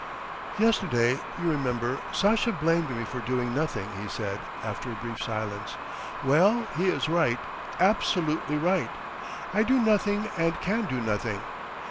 "Yesterday, you remember, Sasha blamed me for doing nothing," he said, after a brief silence. "Well, he is right, absolutely right! I do nothing and can do nothing.